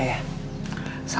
bapak sudah sadar